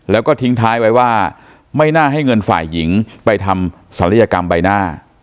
แล้วก็ทิ้งท้ายไว้ว่าไม่น่าให้เงินฝ่ายหญิงไปทำศัลยกรรมใบหน้า